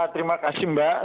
terima kasih mbak